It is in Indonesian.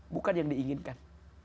bukan yang diinginkan